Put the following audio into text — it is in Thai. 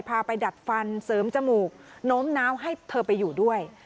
พาไปดัดฟันเสริมจมูกโน้มน้าวให้เธอไปอยู่ด้วย